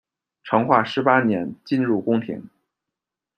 成化十八年，进入宫廷。